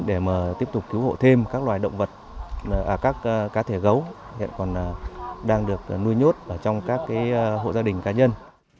để mà tiếp tục cứu hộ thêm các loài động vật các cá thể gấu hiện còn đang được nuôi nhốt trong các hộ gia đình cá nhân